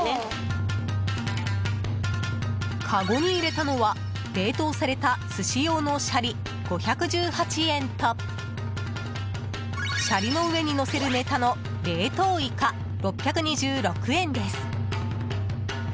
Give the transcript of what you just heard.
かごに入れたのは冷凍された寿司用のシャリ５１８円とシャリの上にのせるネタの冷凍イカ、６２６円です。